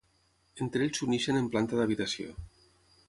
Entre ells s'uneixen en planta d'habitació.